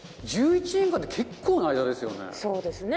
１１年間って結構な間ですよね。